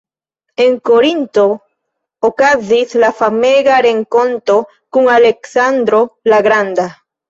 En Korinto okazis la famega renkonto kun Aleksandro la Granda.